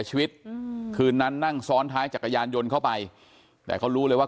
ชีวิตอืมคืนนั้นนั่งซ้อนท้ายจักรยานยนต์เข้าไปแต่เขารู้เลยว่า